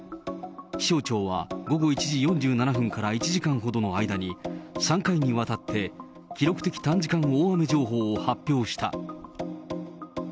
気象庁は午後１時４７分から１時間ほどの間に、３回にわたって、記録的短時間大雨情報を発表した。